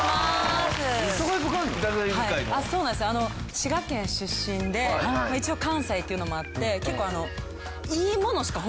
滋賀県出身で一応関西っていうのもあって結構あの。